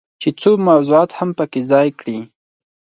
چې څو موضوعات هم پکې ځای کړي.